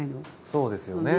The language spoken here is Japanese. そうですよね。